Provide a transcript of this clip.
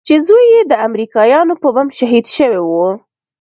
چې زوى يې د امريکايانو په بم شهيد سوى و.